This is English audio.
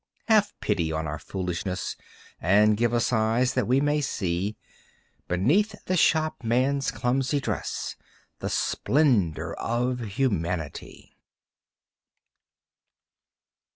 Have pity on our foolishness And give us eyes, that we may see Beneath the shopman's clumsy dress The splendor of humanity!